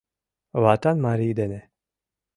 Ватан марий дене.